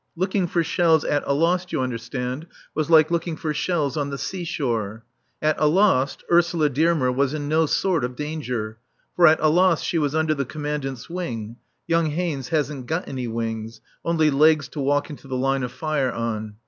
Looking for shells at Alost, you understand, was like looking for shells on the seashore. At Alost Ursula Dearmer was in no sort of danger. For at Alost she was under the Commandant's wing (young Haynes hasn't got any wings, only legs to walk into the line of fire on).